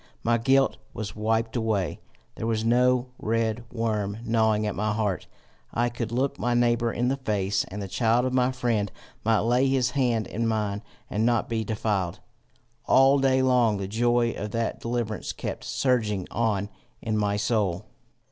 My guilt was wiped away; there was no red worm gnawing at my heart; I could look my neighbour in the face, and the child of my friend might lay his hand in mine and not be defiled! All day long the joy of that deliverance kept surging on in my soul.